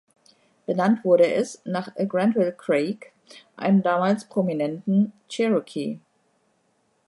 Benannt wurde es nach Granville Craig, einem damals prominenten Cherokee.